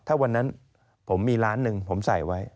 ถ้าวันนั้นผมมีล้านหนึ่งผมใส่ไว้